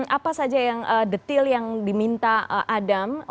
apa saja yang detail yang diminta adam